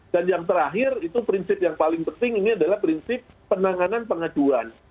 dan yang terakhir itu prinsip yang paling penting ini adalah prinsip penanganan pengaduan